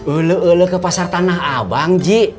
ulu ulu ke pasar tanah abang ji